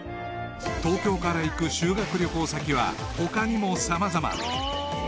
［東京から行く修学旅行先は他にも様々］